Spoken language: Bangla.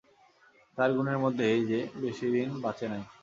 তার গুণের মধ্যে এই যে, বেশিদিন বাঁচে নাই।